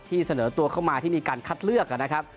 เสนอตัวเข้ามาที่มีการคัดเลือกนะครับ